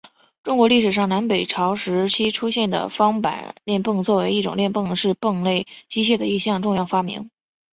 中国历史上南北朝时期出现的方板链泵作为一种链泵是泵类机械的一项重要发明。